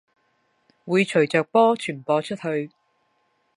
會隨著波傳播出去